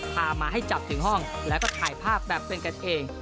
พามาให้จับถึงห้องแล้วก็ถ่ายภาพแบบเป็นกันเอง